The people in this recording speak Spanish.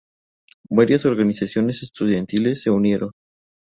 Varias organizaciones estudiantiles se unieron.